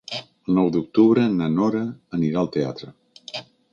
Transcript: El nou d'octubre na Nora anirà al teatre.